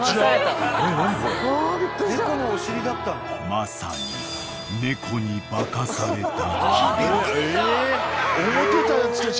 ［まさに猫に化かされた気分］